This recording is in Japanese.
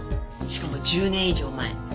しかも１０年以上前。